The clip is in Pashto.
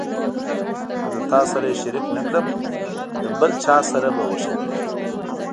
که له تا سره یې شریک نه کړم له بل چا سره به وغږېږم.